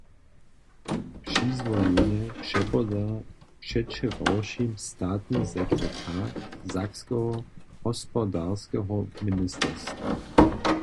Přizwolenje přepoda předwčerawšim statny sekretar sakskeho hospodarskeho ministerstwa.